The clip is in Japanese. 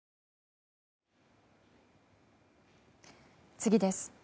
次です。